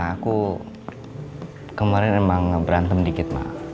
aku kemarin emang berantem dikit